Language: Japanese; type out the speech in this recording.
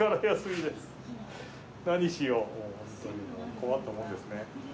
何しよう、本当に困ったもんですね。